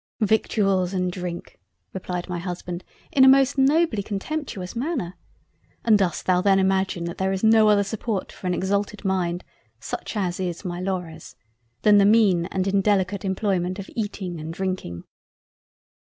"Victuals and Drink! (replied my Husband in a most nobly contemptuous Manner) and dost thou then imagine that there is no other support for an exalted mind (such as is my Laura's) than the mean and indelicate employment of Eating and Drinking?"